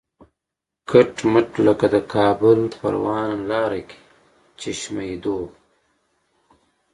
کټ مټ لکه د کابل پروان لاره کې چشمه دوغ.